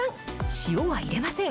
塩は入れません。